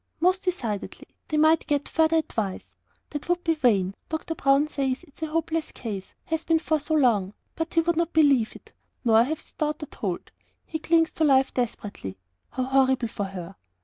"Most decidedly. They might get further advice." "That would be vain. Dr. Brown says it is a hopeless case, has been so for long; but he would not believe it, nor have his daughter told. He clings to life desperately. How horrible for her!"